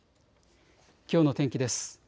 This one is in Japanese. きょうの天気です。